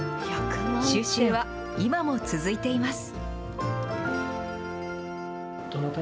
収集は今も続いています。